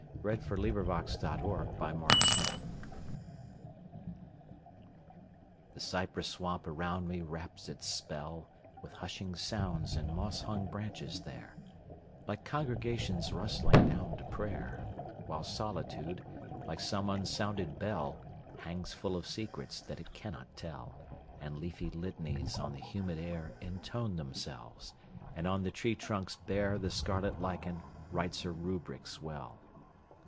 Q R . S T . U V . W X . Y Z Down the Bayou THE cypress swamp around me wraps its spell, With hushing sounds in moss hung branches there, Like congregations rustling down to prayer, While Solitude, like some unsounded bell, Hangs full of secrets that it cannot tell, And leafy litanies on the humid air Intone themselves, and on the tree trunks bare The scarlet lichen writes her rubrics well.